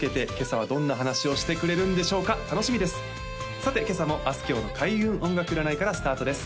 さて今朝もあすきょうの開運音楽占いからスタートです